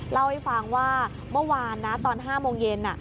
เล่าให้ฟังว่าเมื่อวานนะตอน๕โมงเย็น